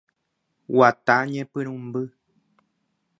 Guata Ñepyrũmby.